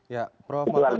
ya prof makan